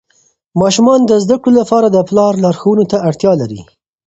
ماشومان د زده کړې لپاره د پلار لارښوونو ته اړتیا لري.